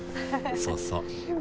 そうそう。